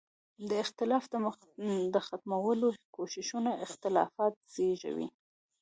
د اختلاف د ختمولو کوششونه اختلافات زېږوي.